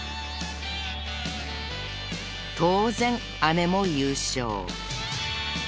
当然姉も優勝。